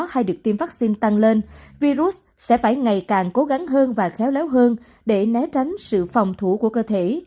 hay được tiêm vaccine tăng lên virus sẽ phải ngày càng cố gắng hơn và khéo léo hơn để né tránh sự phòng thủ của cơ thể